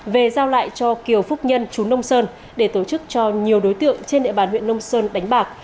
về giao lại cho kiều phúc nhân chú nông sơn để tổ chức cho nhiều đối tượng trên địa bàn huyện nông sơn đánh bạc